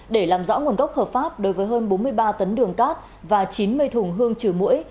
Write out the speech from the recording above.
để làm rõ nguồn gốc hợp pháp đối với hơn bốn mươi ba tấn đường cát và chín mươi thùng hương trừ mũi